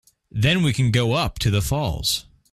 Then we can go up to the falls.